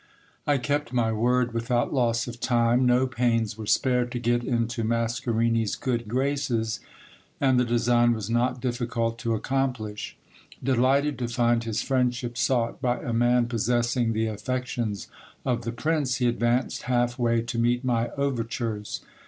I kept my word without loss of time. No pains were spared to get into Mascarinis' good graces ; and the design was not difficult to accomplish. Delighted to find his friendship sought by a man possessing the affections of the prince, he advanced half way to meet my overtures.